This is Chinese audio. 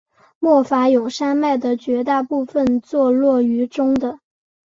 莫戈永山脉的绝大部分坐落于中的。